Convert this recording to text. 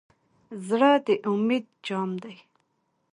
زړه د امید جام دی.